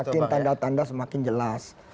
makin tanda tanda semakin jelas